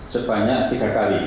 sebanyak tiga kali